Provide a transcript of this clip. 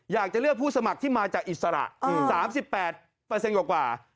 อยากจะเลือกผู้สมัครที่มาจากอิสระ๓๘กว่า